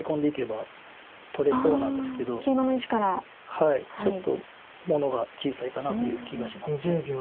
はいちょっと物が小さいかなという気がします。